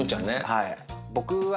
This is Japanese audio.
はい。